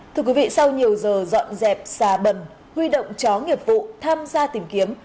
thưa quý vị sau nhiều giờ dọn dẹp xà bần huy động chó nghiệp vụ tham gia tìm kiếm